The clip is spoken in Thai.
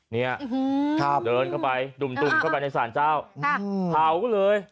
เนี่ยเดินเข้าไปดุ่มเข้าไปในศาลเจ้าเผาเลย